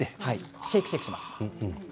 シェークシェークします。